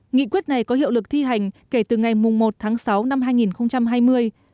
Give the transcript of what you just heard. nghị quyết này có hiệu lực thi hành kể từ ngày một tháng sáu năm hai nghìn hai mươi